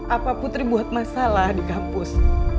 apa putri buat masalah di kampus